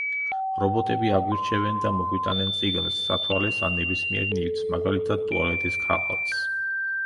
რობოტები აგვირჩევენ და მოგვიტანენ წიგნს, სათვალეს, ან ნებისმიერ ნივთს, მაგალითად – ტუალეტის ქაღალდს.